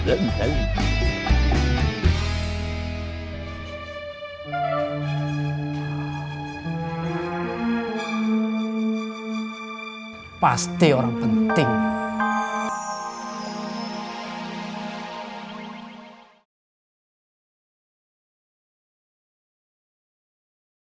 nah kamu semua terus lihat